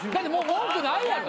文句ないやん。